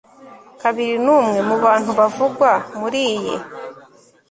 kabiri n umwe mu bantubavugwa muri iyi